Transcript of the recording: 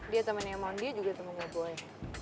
dia temen yang mau dia juga temen gue buahnya